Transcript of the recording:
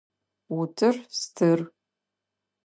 Утыр стыр.